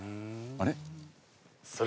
あれ？